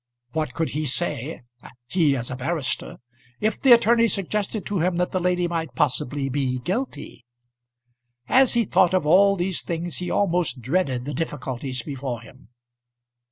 What could he say he, as a barrister if the attorney suggested to him that the lady might possibly be guilty? As he thought of all these things he almost dreaded the difficulties before him.